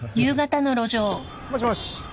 もしもし。